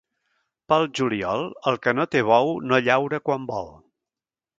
Pel juliol, el que no té bou, no llaura quan vol.